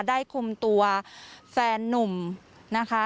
ได้คุมตัวแฟนนุ่มนะคะ